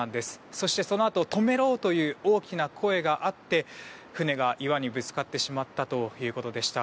そして、そのあと止めろという大きな声があって船が岩にぶつかってしまったということでした。